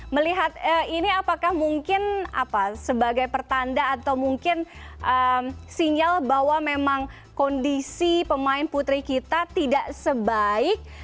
melihat ini apakah mungkin sebagai pertanda atau mungkin sinyal bahwa memang kondisi pemain putri kita tidak sebaik